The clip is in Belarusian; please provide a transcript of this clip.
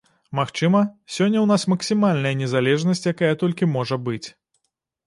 Магчыма, сёння ў нас максімальная незалежнасць, якая толькі можа быць?